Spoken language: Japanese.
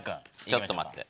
ちょっと待って。